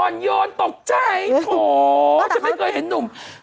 อ่อนโยนตกใจโอ้โหจะไม่เคยเห็นนุ่ม